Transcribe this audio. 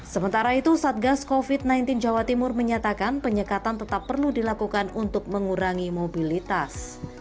sementara itu satgas covid sembilan belas jawa timur menyatakan penyekatan tetap perlu dilakukan untuk mengurangi mobilitas